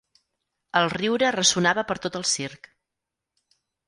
El riure ressonava per tot el circ.